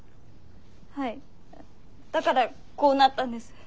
はいだからこうなったんです。